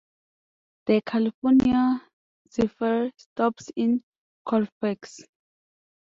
The "California Zephyr" stops in Colfax.